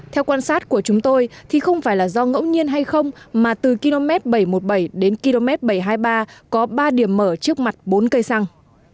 theo quan sát của chúng tôi thì không phải là do ngẫu nhiên hay không mà từ km bảy trăm một mươi bảy đến km bảy trăm hai mươi ba có ba điểm mở trước mặt bốn cây xăng